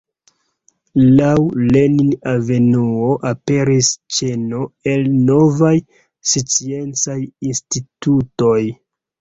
Laŭ Lenin-avenuo aperis ĉeno el novaj sciencaj institutoj.